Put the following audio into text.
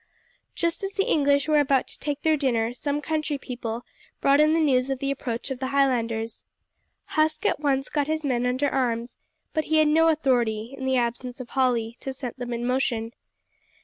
Just as the English were about to take their dinner some country people brought in the news of the approach of the Highlanders. Huske at once got his men under arms, but he had no authority, in the absence of Hawley, to set them in motion.